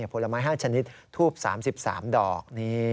ผลไม้๕ชนิดทูบ๓๓ดอก